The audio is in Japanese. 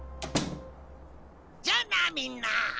じゃなみんな。